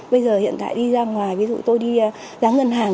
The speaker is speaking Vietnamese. bây giờ hiện tại đi ra ngoài ví dụ tôi đi dáng ngân hàng